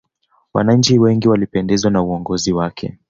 wananchi wengi walipendezwa na uongozi wake